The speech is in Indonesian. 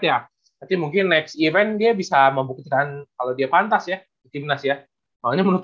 ya nanti mungkin next event dia bisa membuktikan kalau dia pantas ya di timnas ya soalnya menurut